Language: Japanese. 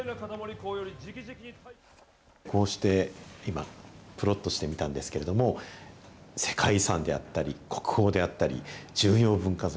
こうして今、プロットしてみたんですけれども、世界遺産であったり、国宝であったり、重要文化財。